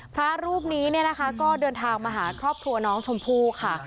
พระรูปนี้เนี่ยนะคะก็เดินทางมาหาครอบครัวน้องชมพู่ค่ะ